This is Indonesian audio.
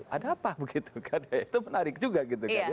ada apa begitu kan ya itu menarik juga gitu kan ya